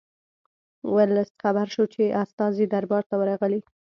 ورلسټ خبر شو چې استازي دربار ته ورغلي.